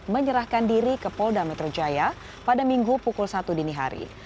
menyerahkan diri ke polda metro jaya pada minggu pukul satu dini hari